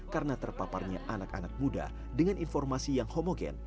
karena terpaparnya anak anak muda dengan informasi yang homogen